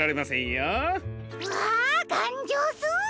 うわーがんじょうそー！